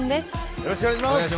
よろしくお願いします。